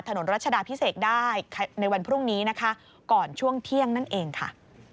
รัชดาพิเศษได้ในวันพรุ่งนี้นะคะก่อนช่วงเที่ยงนั่นเองค่ะ